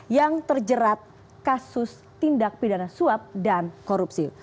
yang terjerat kasus tindak pidana suap dan korupsi